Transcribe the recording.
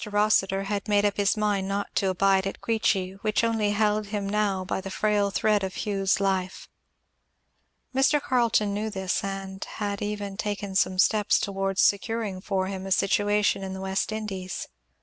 Rossitur had made up his mind not to abide at Queechy, which only held him now by the frail thread of Hugh's life. Mr. Carleton knew this, and had even taken some steps towards securing for him a situation in the West Indies.